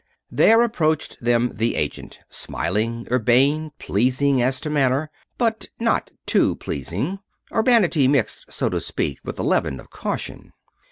There approached them the agent, smiling, urbane, pleasing as to manner but not too pleasing; urbanity mixed, so to speak, with the leaven of caution.